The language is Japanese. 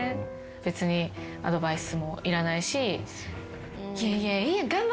別にアドバイスもいらないし。